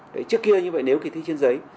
trước kia như vậy nếu kỳ thi trên giấy